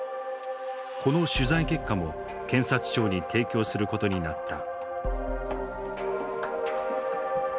この取材結果も検察庁に提供することになった。